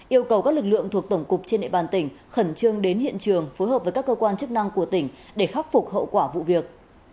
yêu cầu các lực lượng thuộc tổng cục trên địa bàn tỉnh khẩn trương đến hiện trường phối hợp với các cơ quan chức năng của tỉnh để khắc phục hậu quả vụ việc